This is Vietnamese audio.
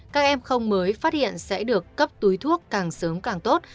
các em không mới phát hiện sẽ được cấp túi thuốc càng sớm càng tốt